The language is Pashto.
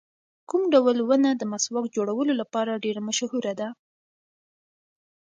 کوم ډول ونه د مسواک جوړولو لپاره ډېره مشهوره ده؟